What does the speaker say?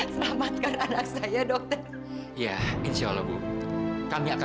susah sih keras kepala